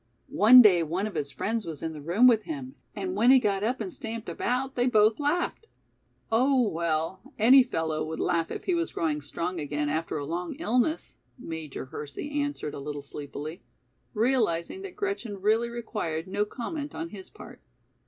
One day one of his friends was in the room with him and when he got up and stamped about they both laughed." "Oh, well, any fellow would laugh if he was growing strong again after a long illness," Major Hersey answered a little sleepily, realizing that Gretchen really required no comment on his part.